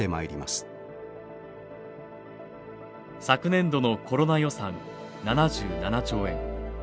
昨年度のコロナ予算７７兆円。